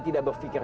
ia abras dia